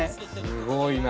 すごいな。